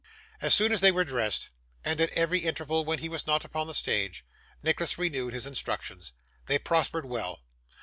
As soon as they were dressed, and at every interval when he was not upon the stage, Nicholas renewed his instructions. They prospered well.